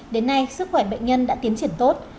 đến nay sức khỏe bệnh nhân đã tiến triển tốt